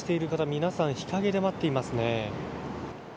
皆さん日陰で待っていますね。